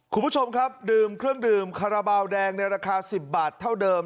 คุณผู้ชมครับดื่มเครื่องดื่มคาราบาลแดงในราคา๑๐บาทเท่าเดิม